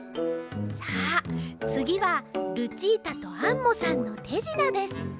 さあつぎはルチータとアンモさんのてじなです。